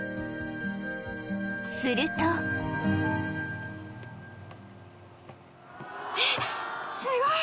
するとえっすごい！